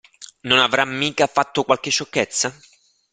Non avrà mica fatto qualche sciocchezza?